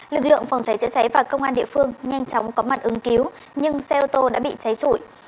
lực lượng phòng cháy chữa cháy và công an địa phương nhanh chóng có mặt ứng cứu nhưng xe ô tô đã bị cháy trụi